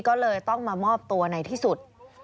ก็เลยต้องมามอบตัวในที่สุด